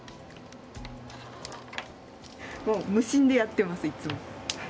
もう無心でやってますいつも。